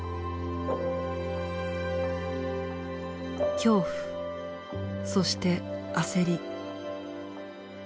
恐怖そして焦り。